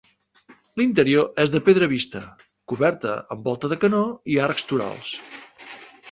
L'interior és de pedra vista, coberta amb volta de canó i arcs torals.